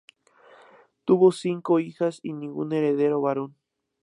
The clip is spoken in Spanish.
Tuvo cinco hijas y ningún heredero varón.